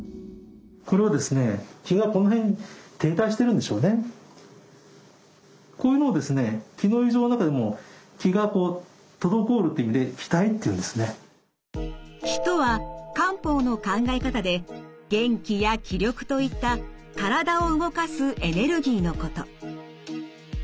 これはですね気の異常の中でも「気」とは漢方の考え方で「元気」や「気力」といった体を動かすエネルギーのこと。